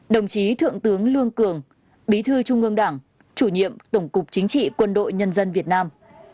một mươi chín đồng chí thượng tướng lương cường bí thư trung ương đảng chủ nhiệm tổng cục chính trị quân đội nhân dân việt nam